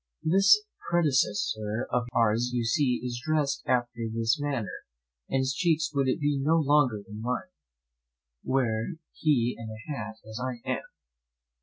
"This predecessor of ours, you see, is dressed after this manner, and his cheeks would be no larger than mine, were he in a hat as I am.